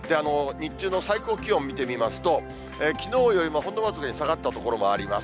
日中の最高気温見てみますと、きのうよりもほんの僅かに下がった所もあります。